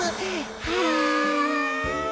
はあ。